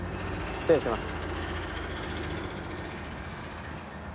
失礼します。